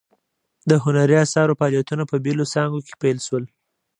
د هنري اثارو فعالیتونه په بیلو څانګو کې پیل شول.